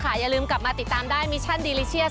เป็นยังไงบ้างวันนี้ถามหน่อย